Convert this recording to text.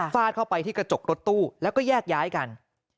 เข้าไปที่กระจกรถตู้แล้วก็แยกย้ายกัน